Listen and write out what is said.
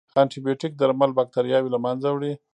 انټيبیوټیک درمل باکتریاوې له منځه وړي.